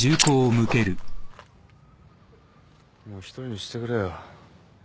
もう１人にしてくれよ。